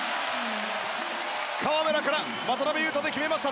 河村から渡邊雄太で決めました。